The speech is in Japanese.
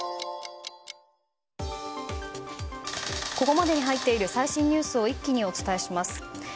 ここまでに入っている最新ニュースを一気にお伝えします。